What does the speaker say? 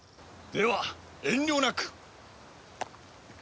では遠慮なく。